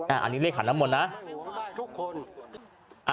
อันนี้เลขหางน้ำนมลวงนะ